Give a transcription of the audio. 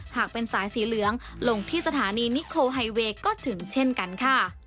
หากเป็นสายสีเหลืองลงที่สถานีนิโคไฮเวย์ก็ถึงเช่นกันค่ะ